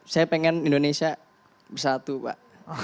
saya pengen indonesia bersatu pak